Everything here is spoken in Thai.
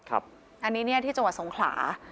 อันนี้ที่จังหวัดสงขลา